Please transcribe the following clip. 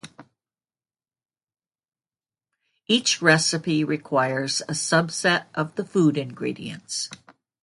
Each recipe requires a subset of the food ingredients.